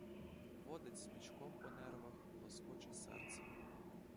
Водить смичком по нервах, лоскоче серце.